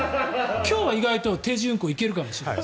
今日は意外と定時運行いけるかもしれない。